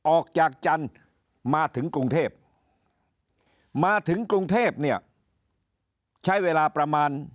ออกจากจันทร์มาถึงกรุงเทพมาถึงกรุงเทพเนี่ยใช้เวลาประมาณ